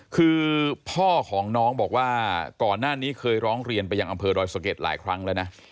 คือพ่อของน้องบอกว่าก่อนหน้านี้เคยร้องเรียนไปยังอำเภอดอยสะเก็ดหลายครั้งแล้วนะ